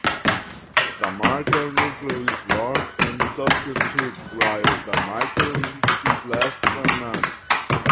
The macronucleus is large and sausage-shaped while the micronucleus is less prominent.